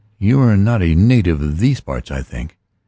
You are not a native of these parts, I think?"